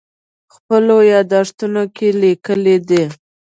خپلو یادښتونو کې لیکلي دي.